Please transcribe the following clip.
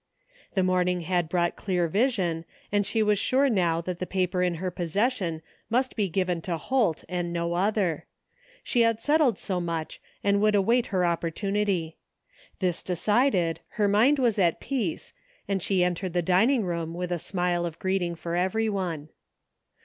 The morning had brought dear vision and she was sure now that the paper in her possession must be given to Holt and no other. She had settled so much and would await her opportunity. This decided, her mind was at peace, and she entered the dining room with a smile of greeting for everyone.